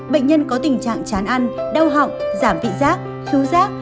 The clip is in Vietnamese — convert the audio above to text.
bệnh nhân có tình trạng chán ăn đau họng giảm vị rác xú rác